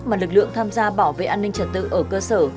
mà lực lượng tham gia bảo vệ an ninh trật tự ở cơ sở